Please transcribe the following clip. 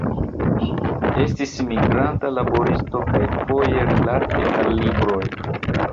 Estis migranta laboristo kaj foje rilate al libroj.